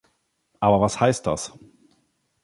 Aber was heißt das?